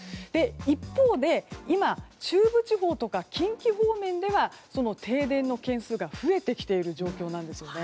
一方で今、中部地方とか近畿方面では停電の件数が増えてきている状況なんですよね。